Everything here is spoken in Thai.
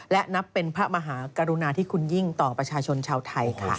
และนับเป็นพระมหากรุณาที่คุณยิ่งต่อประชาชนชาวไทยค่ะ